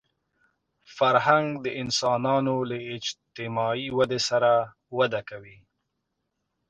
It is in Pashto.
فرهنګ د انسانانو له اجتماعي ودې سره وده کوي